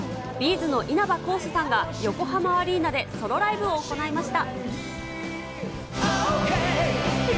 ’ｚの稲葉浩志さんが横浜アリーナでソロライブを行いました。